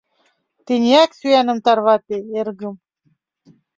Тенияк сӱаным тарвате, эргым.